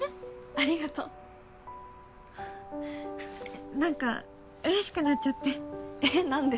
ありがとう何か嬉しくなっちゃってえっ何で？